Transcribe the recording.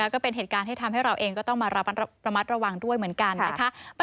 ก็เป็นเหตุการณ์ที่ทำให้เราเองก็ต้องมาระมัดระวังด้วยเหมือนกันนะคะ